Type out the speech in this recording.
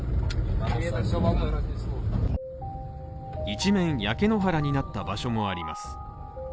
一面焼け野原になった場所もあります。